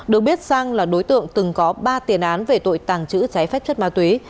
được biết sang là đối tượng từng có ba tiền án về tội tàng trữ trái phép chất ma túy